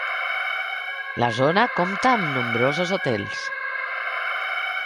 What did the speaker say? La zona compta amb nombrosos hotels.